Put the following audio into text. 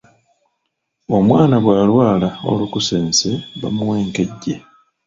Omwana bw’alwala olukusense bamuwa enkejje.